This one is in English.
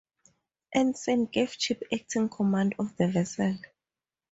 Anson gave Cheap acting command of the vessel.